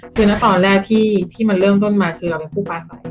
คือนะตอนแรกที่มันเริ่มต้นมาคือเราเป็นผู้ปลาใส